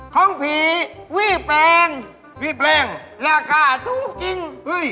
ของผีวี่แปลง